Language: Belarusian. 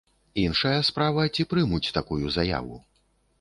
Іншая справа, ці прымуць такую заяву.